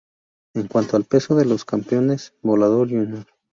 En cuanto al peso de los campeones, Volador Jr.